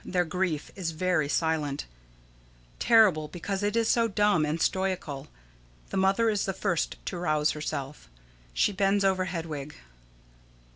Their grief is very silent; terrible because it is so dumb and stoical. The Mother is the first to rouse herself. She bends over Hedwig.